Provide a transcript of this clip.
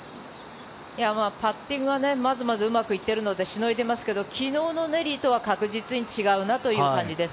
パッティングはまずまずうまくいっているのでしのいでいますけど昨日のネリーとは確実に違うなという感じです。